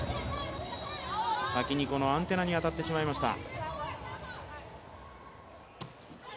先にアンテナに当たってしまいました。